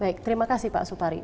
baik terima kasih pak supari